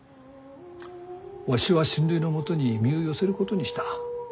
わしは親類のもとに身を寄せることにした。